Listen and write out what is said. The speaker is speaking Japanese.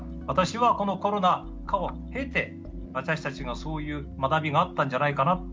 私はこのコロナ禍を経て私たちがそういう学びがあったんじゃないかな。